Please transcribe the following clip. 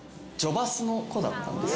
バスの子だったんです